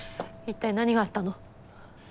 一体何があったの？